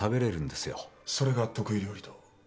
それが得意料理と。